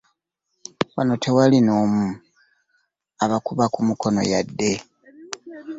Wano tewaali n'omu abakuba ku mukono wadde.